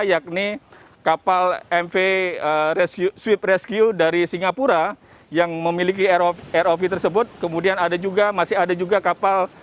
yakni kapal mv sweet rescue dari singapura yang memiliki rov tersebut kemudian ada juga masih ada juga kapal